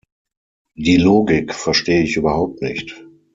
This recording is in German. Die Logik verstehe ich überhaupt nicht.